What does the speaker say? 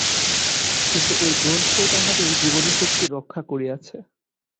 কিন্তু ঐ গ্রন্থই তাহাদের জীবনীশক্তি রক্ষা করিয়াছে।